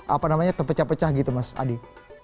apa namanya terpecah pecah gitu mas adi